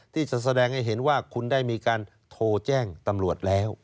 ที่จะแสดงให้เห็นว่าคุณได้มีการโทรแจ้งตำรวจแล้ว